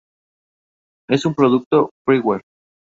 Es un producto freeware.